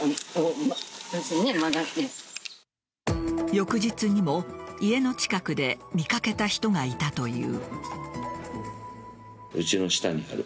翌日にも家の近くで見かけた人がいたという。